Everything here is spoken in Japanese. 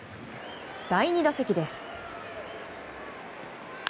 第２打席です。